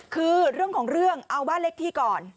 คือเรื่องของเรื่องเอาบ้านเลขที่ก่อน